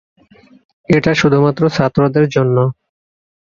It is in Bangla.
এটা শুধুমাত্র ছাত্রদের জন্য।